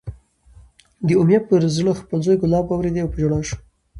د امیة پر زړه خپل زوی کلاب واورېدی، په ژړا شو